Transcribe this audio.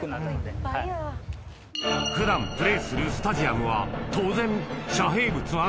普段プレーするスタジアムは当然遮蔽物はない